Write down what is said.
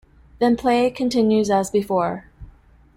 Play then continues as before.